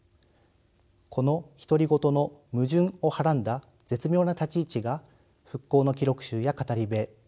この独り言の矛盾をはらんだ絶妙な立ち位置が復興の記録集や語り部